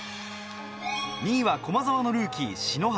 ２位は駒澤のルーキー篠原。